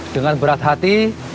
dengan berat hati